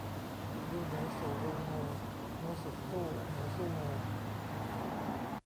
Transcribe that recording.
ดูหนูสู่รูงู งูสุดสู้หนูสู้งู